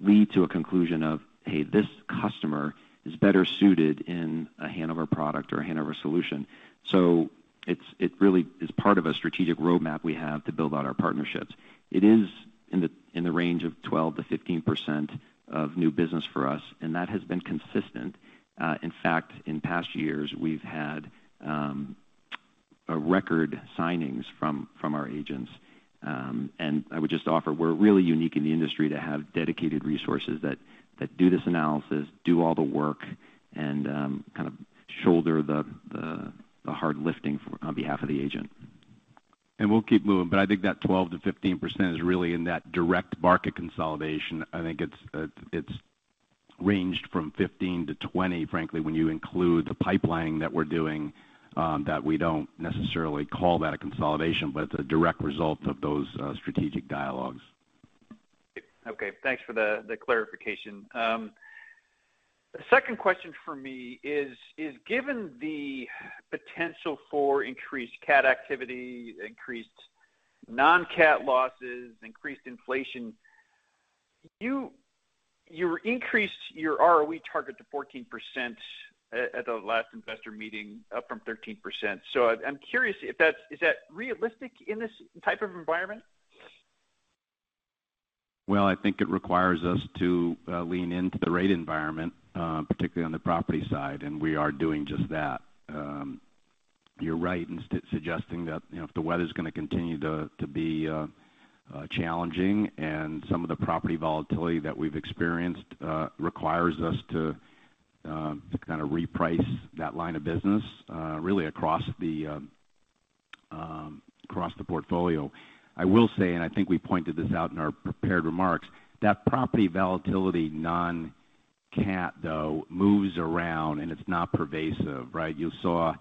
lead to a conclusion of, hey, this customer is better suited in a Hanover product or a Hanover solution. It really is part of a strategic roadmap we have to build out our partnerships. It is in the range of 12%-15% of new business for us, and that has been consistent. In fact, in past years, we've had a record signings from our agents. I would just offer we're really unique in the industry to have dedicated resources that do this analysis, do all the work, and kind of shoulder the hard lifting on behalf of the agent. We'll keep moving, but I think that 12%-15% is really in that direct market consolidation. I think it's ranged from 15%-20%, frankly, when you include the pipelining that we're doing, that we don't necessarily call that a consolidation, but it's a direct result of those strategic dialogues. Okay. Thanks for the clarification. The second question from me is, given the potential for increased CAT activity, increased non-CAT losses, increased inflation, you increased your ROE target to 14% at the last investor meeting up from 13%. I'm curious if that's realistic in this type of environment? Well, I think it requires us to lean into the rate environment, particularly on the property side, and we are doing just that. You're right in suggesting that, you know, if the weather's gonna continue to be challenging and some of the property volatility that we've experienced requires us to kind of reprice that line of business, really across the portfolio. I will say, and I think we pointed this out in our prepared remarks, that property volatility non-CAT, though, moves around and it's not pervasive, right? You saw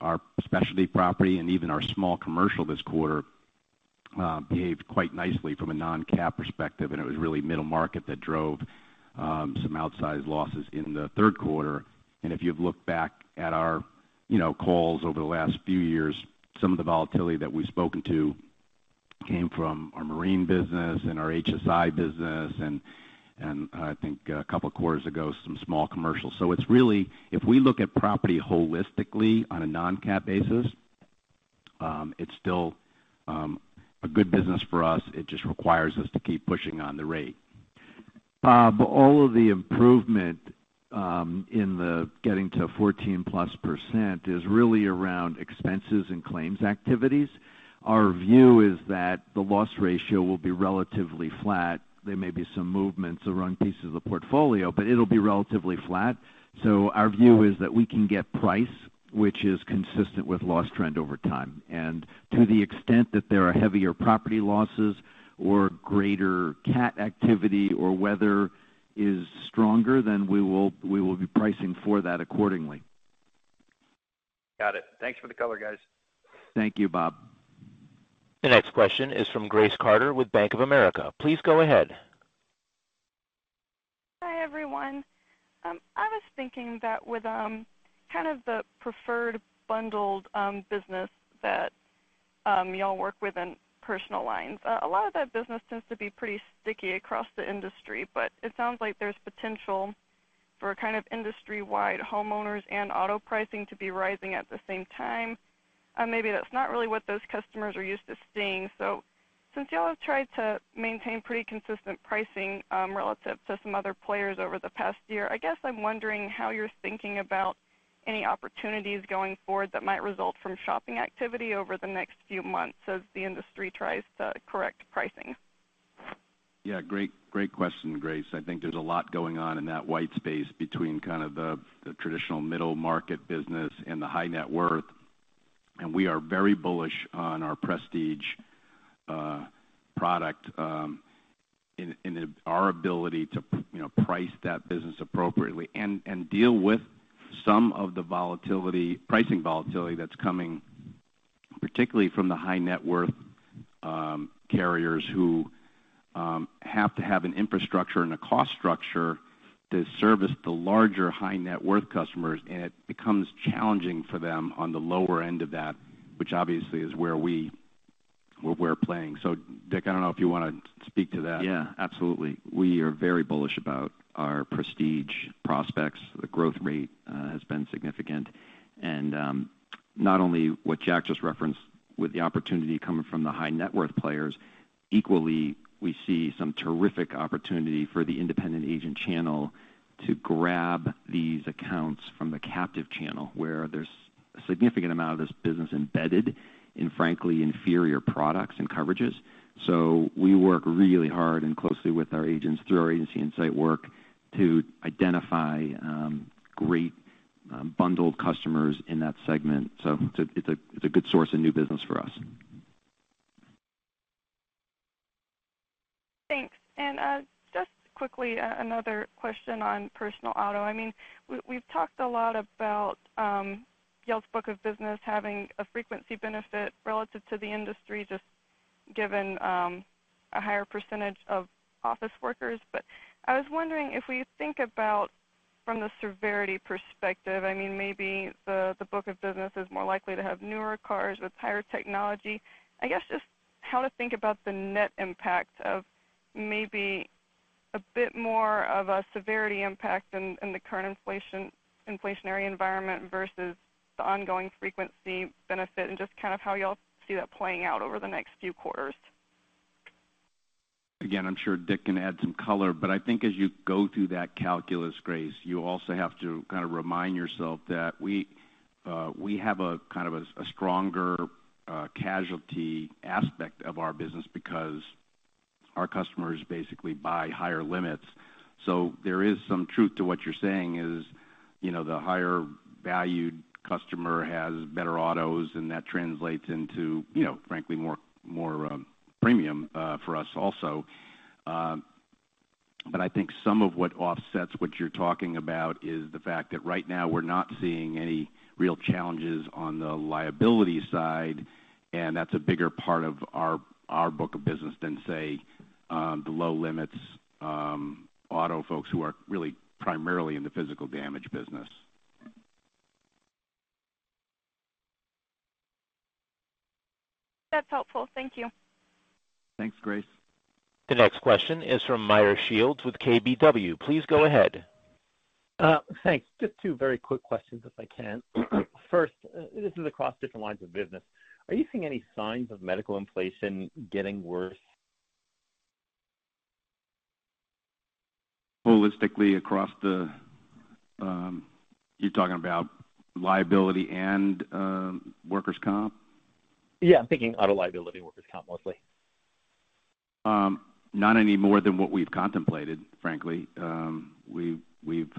our specialty property and even our small commercial this quarter behaved quite nicely from a non-CAT perspective, and it was really middle market that drove some outsized losses in the third quarter. If you've looked back at our, you know, calls over the last few years, some of the volatility that we've spoken to came from our marine business and our HSI business and I think a couple quarters ago, some small commercial. It's really, if we look at property holistically on a non-CAT basis, it's still a good business for us. It just requires us to keep pushing on the rate. All of the improvement in the getting to 14%+ is really around expenses and claims activities. Our view is that the loss ratio will be relatively flat. There may be some movements around pieces of the portfolio, but it'll be relatively flat. Our view is that we can get price, which is consistent with loss trend over time. To the extent that there are heavier property losses or greater cat activity or weather is stronger, then we will be pricing for that accordingly. Got it. Thanks for the color, guys. Thank you, Bob. The next question is from Grace Carter with Bank of America. Please go ahead. Hi, everyone. I was thinking that with kind of the preferred bundled business that y'all work with in personal lines, a lot of that business tends to be pretty sticky across the industry, but it sounds like there's potential for kind of industry-wide homeowners and auto pricing to be rising at the same time. Maybe that's not really what those customers are used to seeing. Since y'all have tried to maintain pretty consistent pricing relative to some other players over the past year, I guess I'm wondering how you're thinking about any opportunities going forward that might result from shopping activity over the next few months as the industry tries to correct pricing. Yeah, great question, Grace. I think there's a lot going on in that white space between kind of the traditional middle market business and the high net worth. We are very bullish on our Prestige product in our ability to price that business appropriately and deal with some of the volatility, pricing volatility that's coming, particularly from the high net worth carriers who have to have an infrastructure and a cost structure to service the larger high net worth customers, and it becomes challenging for them on the lower end of that, which obviously is where we're playing. Dick, I don't know if you wanna speak to that. Yeah, absolutely. We are very bullish about our Prestige prospects. The growth rate has been significant. Not only what Jack just referenced with the opportunity coming from the high net worth players, equally, we see some terrific opportunity for the independent agent channel to grab these accounts from the captive channel, where there's a significant amount of this business embedded in, frankly, inferior products and coverages. We work really hard and closely with our agents through our Agency Insight work to identify great bundled customers in that segment. It's a good source of new business for us. Thanks. Just quickly, another question on personal auto. I mean, we've talked a lot about y'all's book of business having a frequency benefit relative to the industry, just given a higher percentage of office workers. I was wondering if we think about from the severity perspective, I mean, maybe the book of business is more likely to have newer cars with higher technology. I guess just how to think about the net impact of maybe a bit more of a severity impact in the current inflationary environment versus the ongoing frequency benefit, and just kind of how y'all see that playing out over the next few quarters. Again, I'm sure Dick can add some color, but I think as you go through that calculus, Grace, you also have to kind of remind yourself that we have a kind of a stronger casualty aspect of our business because our customers basically buy higher limits. There is some truth to what you're saying, you know, the higher valued customer has better autos, and that translates into, you know, frankly, more premium for us also. I think some of what offsets what you're talking about is the fact that right now we're not seeing any real challenges on the liability side, and that's a bigger part of our book of business than, say, the low limits auto folks who are really primarily in the physical damage business. That's helpful. Thank you. Thanks, Grace. The next question is from Meyer Shields with KBW. Please go ahead. Thanks. Just two very quick questions, if I can. First, this is across different lines of business. Are you seeing any signs of medical inflation getting worse? Holistically across the. You're talking about liability and workers' comp? Yeah, I'm thinking auto liability, workers' comp, mostly. Not any more than what we've contemplated, frankly. We've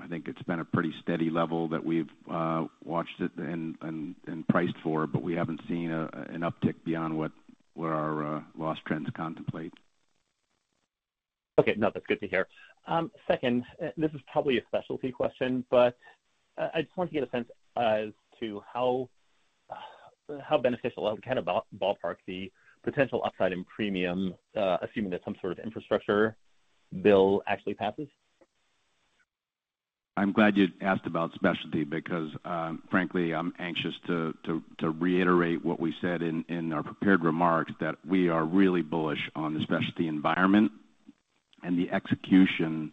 I think it's been a pretty steady level that we've watched it and priced for, but we haven't seen an uptick beyond what our loss trends contemplate. Okay. No, that's good to hear. Second, this is probably a specialty question, but, I just wanted to get a sense as to how beneficial, kind of ballpark the potential upside in premium, assuming that some sort of infrastructure bill actually passes? I'm glad you asked about specialty because, frankly, I'm anxious to reiterate what we said in our prepared remarks that we are really bullish on the specialty environment. The execution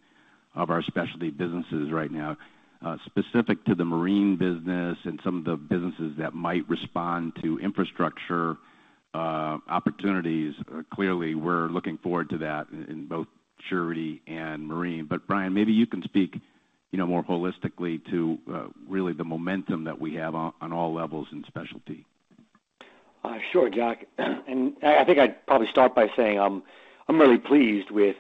of our specialty businesses right now, specific to the Marine business and some of the businesses that might respond to infrastructure opportunities. Clearly, we're looking forward to that in both surety and Marine. Bryan, maybe you can speak, you know, more holistically to really the momentum that we have on all levels in specialty. Sure, Jack. I think I'd probably start by saying, I'm really pleased with,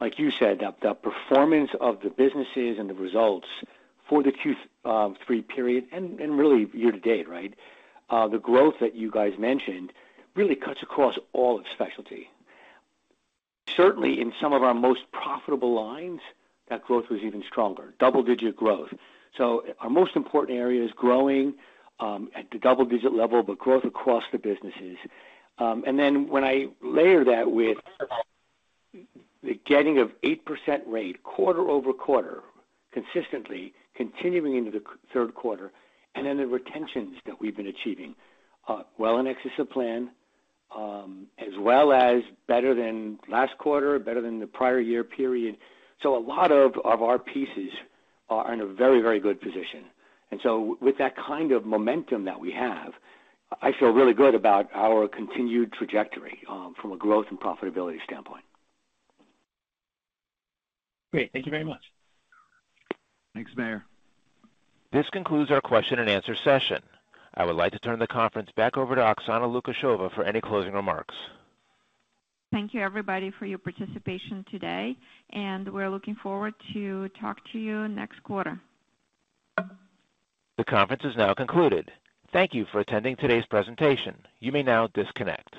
like you said, the performance of the businesses and the results for the Q3 period and really year to date, right? The growth that you guys mentioned really cuts across all of specialty. Certainly in some of our most profitable lines, that growth was even stronger, double-digit growth. Our most important area is growing at the double-digit level, but growth across the businesses. Then when I layer that with the getting of 8% rate quarter-over-quarter consistently continuing into the third quarter, and then the retentions that we've been achieving, well in excess of plan, as well as better than last quarter, better than the prior year period. A lot of our pieces are in a very good position. With that kind of momentum that we have, I feel really good about our continued trajectory from a growth and profitability standpoint. Great. Thank you very much. Thanks, Meyer. This concludes our question and answer session. I would like to turn the conference back over to Oksana Lukasheva for any closing remarks. Thank you, everybody, for your participation today, and we're looking forward to talk to you next quarter. The conference is now concluded. Thank you for attending today's presentation. You may now disconnect.